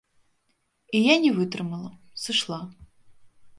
І я не вытрымала, сышла.